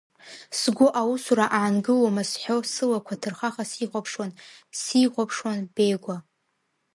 Сгәы аусура аангылома сҳәо, сылақәа ҭырхаха сихәаԥшуан, сихәаԥшуан Бегәа…